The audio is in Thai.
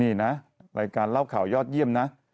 นี่นะรายการเล่าข่าวยอดเยี่ยมนะ